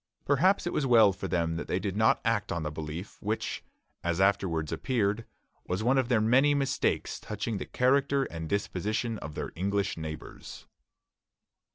Perhaps it was well for them that they did not act on the belief, which, as afterwards appeared, was one of their many mistakes touching the character and disposition of their English neighbors.